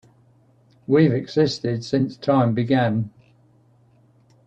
We've existed since time began.